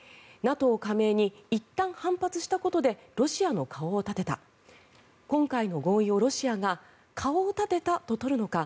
ＮＡＴＯ加盟にいったん反発したことでロシアの顔を立てた今回の合意をロシアが顔を立てたと取るのか